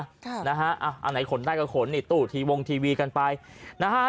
ค่ะนะฮะอ่ะอันไหนขนได้ก็ขนนี่ตู้ทีวงทีวีกันไปนะฮะ